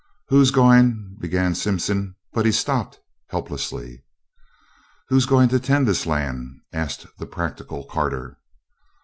"Who's gwine " began Simpson, but stopped helplessly. "Who's going to tend this land?" asked the practical Carter.